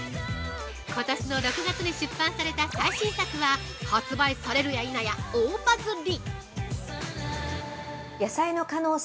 ことしの６月に出版された最新作は発売されるや否や大バズり！